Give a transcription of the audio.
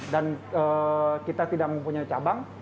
dan kita tidak mempunyai cabang